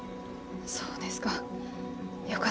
そうですか。